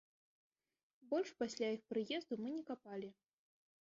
Больш пасля іх прыезду мы не капалі.